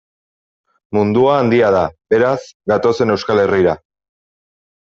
Mundua handia da, beraz, gatozen Euskal Herrira.